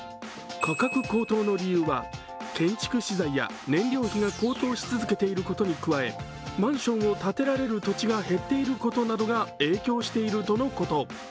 価格高騰の理由は建築資材や燃料費が高騰し続けていることに加え、マンションを建てられる土地が減っていることなどが影響しているとのこと。